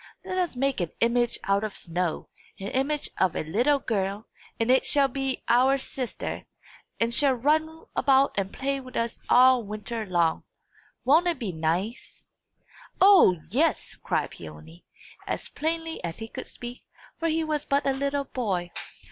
Let us make an image out of snow an image of a little girl and it shall be our sister, and shall run about and play with us all winter long. Won't it be nice?" "O, yes!" cried Peony, as plainly as he could speak, for he was but a little boy.